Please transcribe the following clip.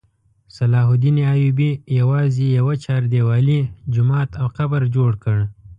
صلاح الدین ایوبي یوازې یوه چاردیوالي، جومات او قبر جوړ کړ.